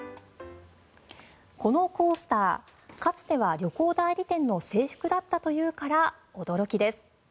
このコースターかつては旅行代理店の制服だったというから驚きです。